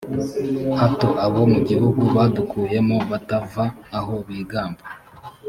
hato abo mu gihugu wadukuyemo batava aho bigamba